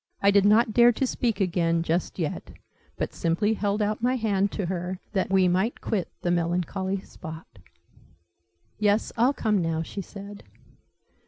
I did not dare to speak again, just yet; but simply held out my hand to her, that we might quit the melancholy spot. Yes, I'll come now, she said.